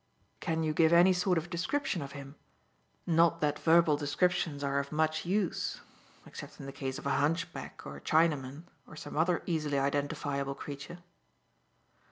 "Can you give any sort of description of him, not that verbal descriptions are of much use except in the case of a hunchback or a Chinaman or some other easily identifiable creature."